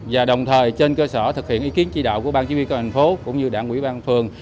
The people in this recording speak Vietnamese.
và đồng thời trên cơ sở thực hiện ý kiến tri đạo của ban chính quyền công an phố cũng như đảng quỹ ban phường